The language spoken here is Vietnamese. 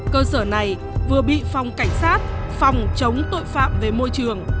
cơ sở này vừa bị phòng cảnh sát phòng chống tội phạm về môi trường